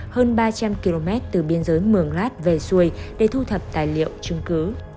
hơn ba trăm linh km từ biên giới mường lát về xuôi để thu thập tài liệu chứng cứ